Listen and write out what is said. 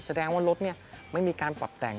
แสดงว่ารถไม่มีการปรับแต่ง